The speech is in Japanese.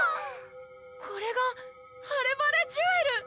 これがハレバレジュエル！